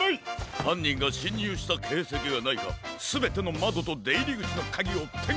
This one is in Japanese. はんにんがしんにゅうしたけいせきがないかすべてのまどとでいりぐちのカギをてんけんだ！